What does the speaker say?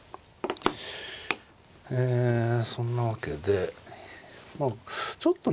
えそんなわけでちょっとね